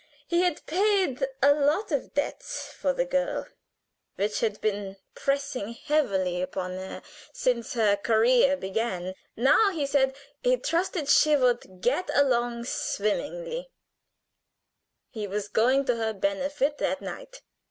He had paid a lot of debts for the girl, which had been pressing heavily upon her since her career began; now he said he trusted she would get along swimmingly; he was going to her benefit that night.